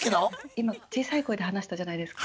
今小さい声で話したじゃないですか。